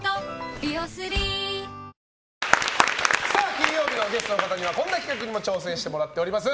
金曜日のゲストの方にはこんな企画にも挑戦してもらっています。